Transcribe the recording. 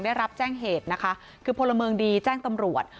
ได้รับแจ้งเหตุนะคะคือพลเมืองดีแจ้งตำรวจ